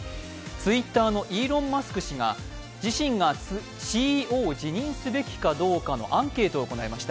Ｔｗｉｔｔｅｒのイーロン・マスク氏が自身がＣＥＯを辞任すべきかどうかを問うアンケートを行いました。